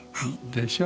でしょ？